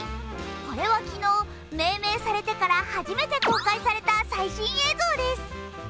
これは昨日、命名されてから初めて公開された最新映像です。